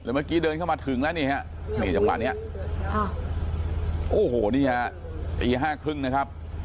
เมื่อกี้เดินเข้ามาถึงแล้วเนี่ยนี่จังหวะเนี่ยโอ้โหเนี่ยปี๕๓๐นะครับ